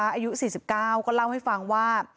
อายุ๔๙ก็เล่าให้ฟังว่า